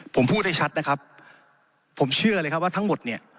ผมพูดให้ชัดนะครับผมเชื่อเลยครับว่าทั้งหมดเนี่ย